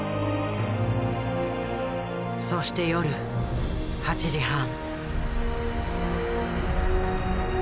そして夜８時半。